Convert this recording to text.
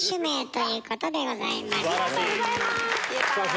ありがとうございます！